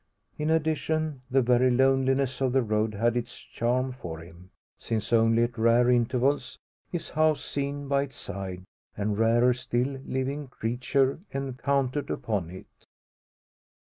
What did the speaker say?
In addition, the very loneliness of the road had its charm for him; since only at rare intervals is house seen by its side, and rarer still living creature encountered upon it.